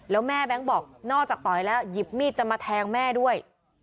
แล้วแม่แบงค์บอกนอกจากต่อยแล้วหยิบมีดจะมาแทงแม่ด้วย